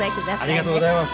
ありがとうございます。